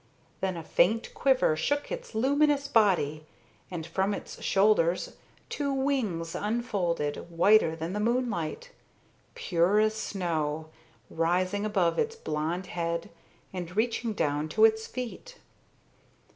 Then a faint quiver shook its luminous body, and from its shoulders two wings unfolded, whiter than the moonlight, pure as snow, rising above its blond head and reaching down to its feet.